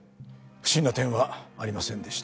不審な点はありませんでした。